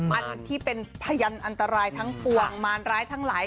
อันที่เป็นพยานอันตรายทั้งปวงมารร้ายทั้งหลาย